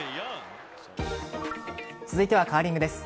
続いてはカーリングです。